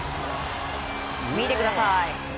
見てください。